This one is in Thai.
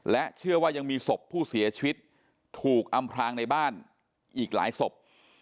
เชื่อว่ายังมีศพผู้เสียชีวิตถูกอำพลางในบ้านอีกหลายศพ